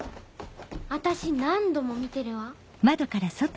私何度も見てるわ。